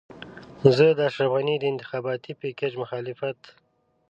زه د اشرف غني د انتخاباتي پېکج مخالفت.